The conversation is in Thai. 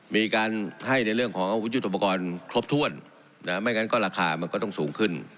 มีการให้ในเรื่องของอาวุธยุทธปกรณ์ครบถ้วนไม่งั้นก็ราคามันก็ต้องสูงขึ้น